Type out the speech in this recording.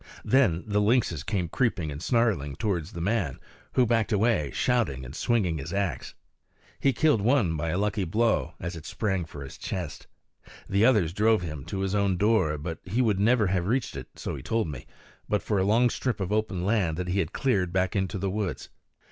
Then the lynxes came creeping and snarling towards the man, who backed away, shouting and swinging his axe. He killed one by a lucky blow, as it sprang for his chest. The others drove him to his own door; but he would never have reached it, so he told me, but for a long strip of open land that he had cleared back into the woods.